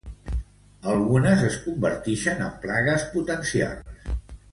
Algunes es convertixen en plagues potencials.